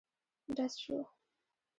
ډز شو.